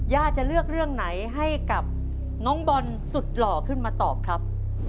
จะเลือกเรื่องไหนให้กับน้องบอลสุดหล่อขึ้นมาตอบครับ